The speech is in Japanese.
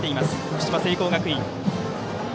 福島・聖光学院。